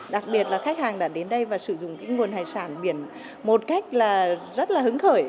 đặc biệt là khách hàng đã đến đây và sử dụng nguồn hải sản biển một cách là rất là hứng khởi